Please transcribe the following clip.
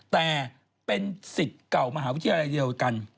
แต่เป็นสิทธิ์เก่ามหาวิทยาลัยเดียวกัน